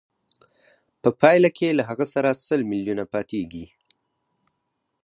په پایله کې له هغه سره سل میلیونه پاتېږي